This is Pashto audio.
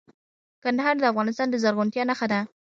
کندهار د افغانستان د زرغونتیا نښه ده.